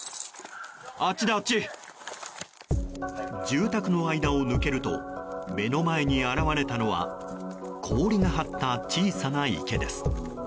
住宅の間を抜けると目の前に現れたのは氷が張った小さな池です。